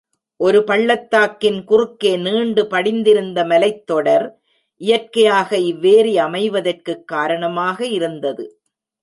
ஒரு பள்ளத்தாக்கின் குறுக்கே நீண்டு படிந்திருந்த மலைத் தொடர், இயற்கையாக இவ்வேரி அமைவதற்குக் காரணமாக இருந்தது.